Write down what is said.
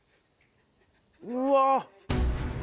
うわ。